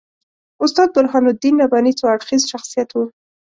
استاد برهان الدین رباني څو اړخیز شخصیت وو.